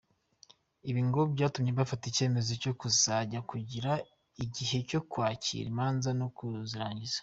Ibi ngo byatumye bafata icyemezo cyo kuzajya bagira igihe cyo kwakira imanza no kuzirangiza.